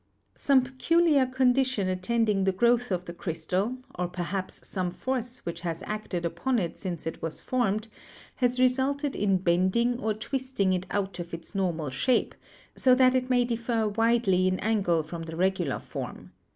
Some peculiar condition attending the growth of the crystal, or perhaps some force which has acted upon it since it was formed, has resulted in bending or twisting it out of its normal shape, so that it may differ widely in angle from the regular form.